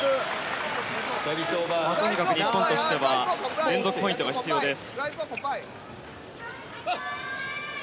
とにかく日本としては連続ポイントが必要です。